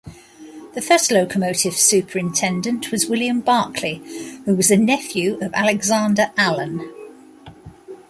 The first locomotive superintendent was William Barclay, who was a nephew of Alexander Allan.